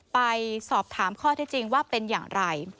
ไปสอบถามข้อที่จริงว่าเป็นอย่างไร